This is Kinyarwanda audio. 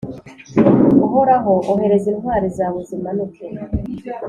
Uhoraho, ohereza intwari zawe zimanuke!